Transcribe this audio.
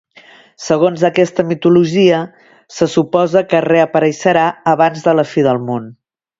Segons aquesta mitologia, se suposa que reapareixerà abans de la fi del món.